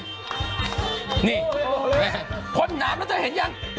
นี่คนน้ำนะเธอเห็นยัง